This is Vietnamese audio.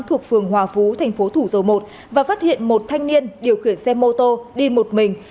thuộc phường hòa phú thành phố thủ dầu một và phát hiện một thanh niên điều khiển xe mô tô đi một mình